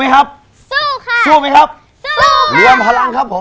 ห้ามพลาดครับ